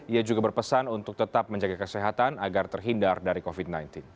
ia juga berpesan untuk tetap menjaga kesehatan agar terhindar dari covid sembilan belas